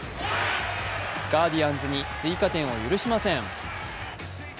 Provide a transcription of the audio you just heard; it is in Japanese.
ガーディアンズに追加点を許しません。